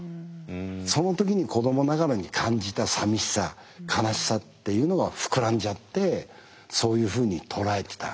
その時に子どもながらに感じたさみしさ悲しさっていうのが膨らんじゃってそういうふうに捉えてた。